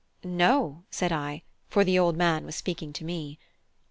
"No," said I; for the old man was speaking to me.